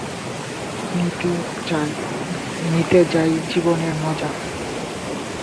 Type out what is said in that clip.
নিতে যাই, জীবনের মজা।